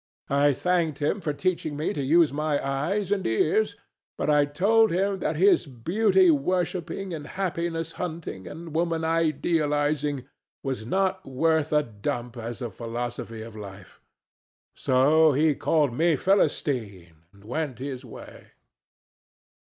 I thanked him for teaching me to use my eyes and ears; but I told him that his beauty worshipping and happiness hunting and woman idealizing was not worth a dump as a philosophy of life; so he called me Philistine and went his way.